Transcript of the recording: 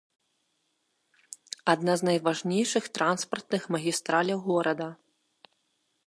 Адна з найважнейшых транспартных магістраляў горада.